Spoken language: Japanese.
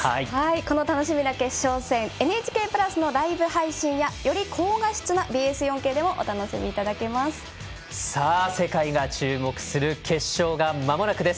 この楽しみな決勝戦「ＮＨＫプラス」のライブ配信やより高画質なＢＳ４Ｋでもお楽しみいただけます。